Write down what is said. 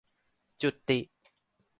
'จุติ'